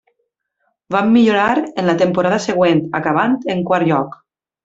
Van millorar en la temporada següent, acabant en quart lloc.